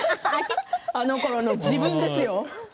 あのころの自分ですよ。